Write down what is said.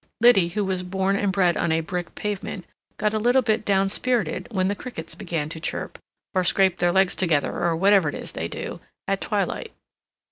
Liddy, who was born and bred on a brick pavement, got a little bit down spirited when the crickets began to chirp, or scrape their legs together, or whatever it is they do, at twilight.